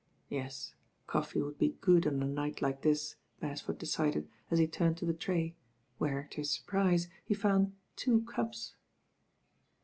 ^ .i / Yes, coffee would be good on a night like this, Beresford decided as he turned to the tray, where, to his surprise, he found two cups.